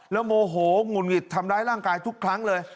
แล้วโมโหหงุดหงิดทำร้ายร่างกายทุกครั้งเลย